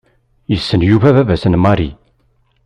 Yessen Yuba baba-s n Mary.